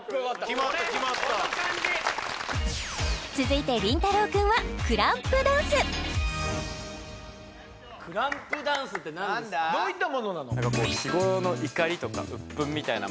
決まった決まった続いて倫太郎くんはクランプダンスクランプダンスって何ですかどういったものなの？